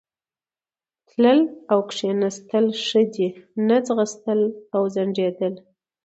تلل او کښېنستل ښه دي، نه ځغستل او ځنډېدل.